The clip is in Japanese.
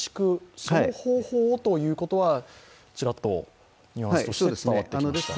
その方法をということはチラッとニュアンスとして伝わってきました。